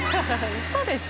ウソでしょ？